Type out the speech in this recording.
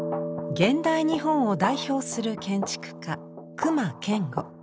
現代日本を代表する建築家隈研吾。